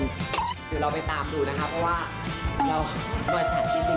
เดี๋ยวเราไปตามดูนะคะเพราะว่าเรามาแถมได้จริง